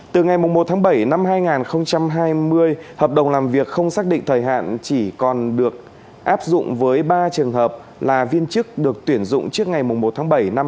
từ ngày một tháng bảy năm hai nghìn hai mươi hợp đồng làm việc không xác định thời hạn chỉ còn được áp dụng với ba trường hợp là viên chức được tuyển dụng trước ngày một tháng bảy năm hai nghìn hai mươi